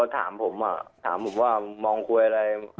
แต่ว่ามองคุยอะไร